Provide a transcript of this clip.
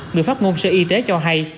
người phát ngôn sở y tế cho hay